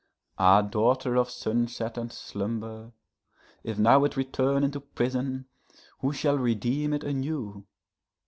Ah, daughter of sunset and slumber, if now it return into prison, Who shall redeem it anew?